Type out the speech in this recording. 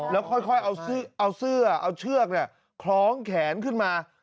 แล้วค่อยเอาเสื้อเอาเชือกคล้องแขนขึ้นมา